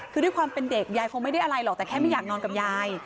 คือด้วยความเป็นเด็กยายคงไม่ได้อะไรหรอกแต่แค่ไม่อยากนอนกับยาย